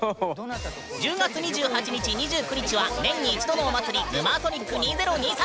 １０月２８日２９日は年に一度のお祭り「ヌマーソニック２０２３」。